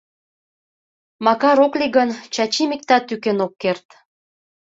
Макар ок лий гын, Чачим иктат тӱкен ок керт.